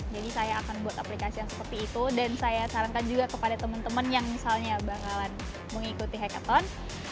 jadi saya akan buat aplikasi yang seperti itu dan saya sarankan juga kepada teman teman yang misalnya bakalan mengikuti hackathon